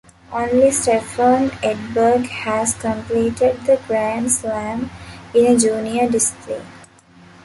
Only Stefan Edberg has completed the Grand Slam in a Junior discipline.